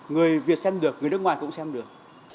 người việt xem được người nước ngoài cũng xem được